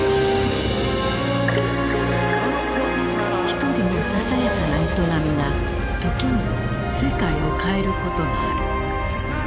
一人のささやかな営みが時に世界を変えることがある。